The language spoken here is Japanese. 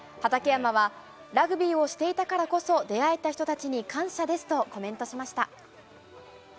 畠山は、ラグビーをしていたからこそ、出会えた人たちに感謝ですと、コメントしました。